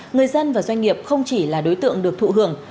người dân và doanh nghiệp không chỉ là đối tượng được thụ hưởng